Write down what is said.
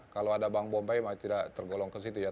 kalau ada bawang bombay tidak tergolong ke situ ya